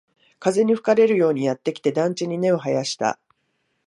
風に吹かれるようにやってきて、団地に根を生やした